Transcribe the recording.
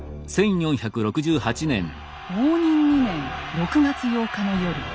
応仁２年６月８日の夜。